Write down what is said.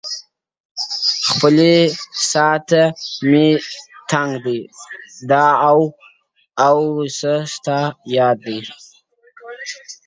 • خپلي سايې ته مي تکيه ده او څه ستا ياد دی.